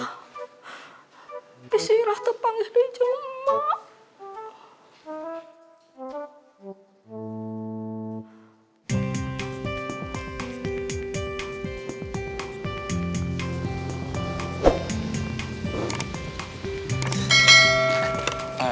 tapi si irate panggil izin sama emak